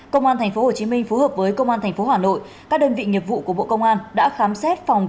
công an tp hcm phù hợp với công an tp hcm các đơn vị nghiệp vụ của bộ công an đã khám xét phòng